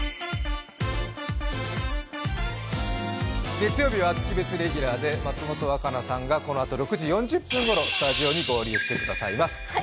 月曜日は特別レギュラーで松本若菜さんがこのあと６時４０分ごろスタジオに合流してもらいます。